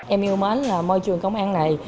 em yêu mến là môi trường công an này